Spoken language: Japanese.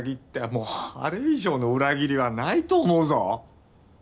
もうあれ以上の裏切りはないと思うぞ。